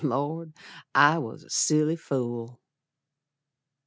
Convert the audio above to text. Lord! I was a silly fool.